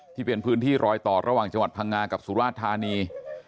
ที่เป็นพื้นที่รอยต่อระหว่างจังหวัดพังงากับสุราชธานี